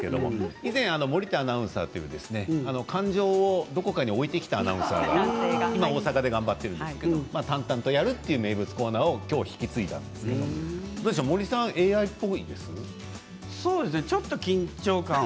以前は森田アナウンサーという感情をどこかに置いてきたアナウンサーが今は大阪で頑張っているんですけど、淡々とやるという名物コーナーをきょう引き継いだんですけどどうでしょうそうですね